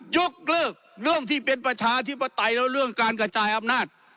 ยกเลิกเรื่องที่เป็นประชาธิปไตยแล้วเรื่องการกระจายอำนาจ